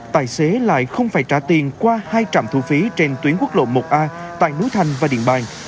tài xế lại không phải trả tiền qua hai trạm thu phí trên tuyến quốc lộ một a tại núi thành và điện bàn